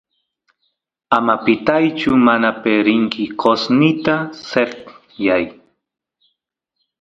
ama pitaychu manape rinki qosnita sekyay